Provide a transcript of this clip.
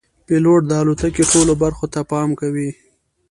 پیلوټ د الوتکې ټولو برخو ته پام کوي.